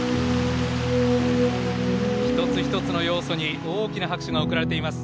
一つ一つの要素に大きな拍手が送られています。